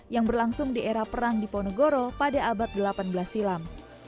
yang berlangsung di era perang diponegoro pada abad delapan belas silam